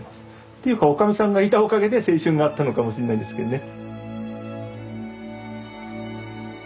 ていうかおかみさんがいたおかげで青春があったのかもしんないんですけどね。